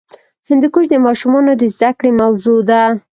هندوکش د ماشومانو د زده کړې موضوع ده.